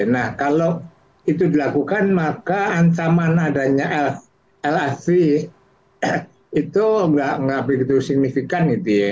nah kalau itu dilakukan maka ancaman adanya lav itu nggak begitu signifikan